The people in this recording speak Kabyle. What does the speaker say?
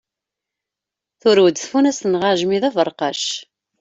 Turew-d tfunast-nneɣ aɛejmi d aberqac.